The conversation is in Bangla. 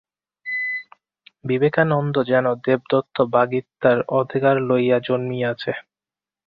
বিবেকানন্দ যেন দেবদত্ত বাগ্মিতার অধিকার লইয়া জন্মিয়াছেন।